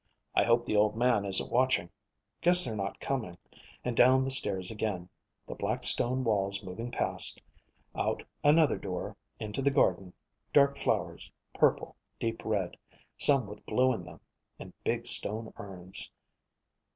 I hope the Old Man isn't watching. Guess they're not coming. And down the stairs again, the black stone walls moving past. Out another door, into the garden, dark flowers, purple, deep red, some with blue in them, and big stone urns.